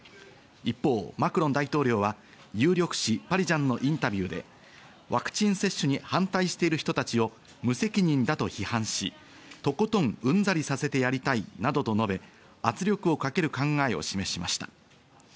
一方、マクロン大統領は有力紙パリジャンのインタビューでワクチン接種に反対している人たちを無責任だと批判し、とことんうんざりさせてやりたいなどと述べ、圧力をかける考えを示しました。